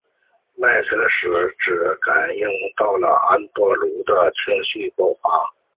麦特与史提夫皆感应到了安德鲁的情绪爆发。